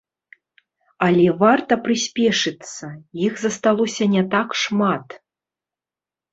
Але варта прыспешыцца, іх засталося не так шмат.